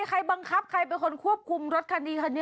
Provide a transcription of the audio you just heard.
ใครบังคับใครเป็นคนควบคุมรถคันนี้คันนี้